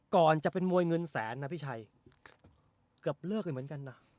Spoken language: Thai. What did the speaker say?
ก่อนจะเป็นมวยเงินแสนนะพี่ชัยเกือบเลิกเลยเหมือนกันนะ